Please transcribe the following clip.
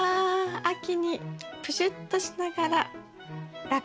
秋にプシュッとしながらラッカセイ。